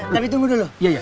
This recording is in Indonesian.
tapi tunggu dulu